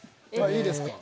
いいですか？